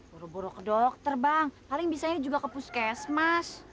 borok borok ke dokter bang paling bisanya juga ke puskesmas